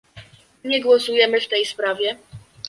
Nie głosujemy w tej sprawie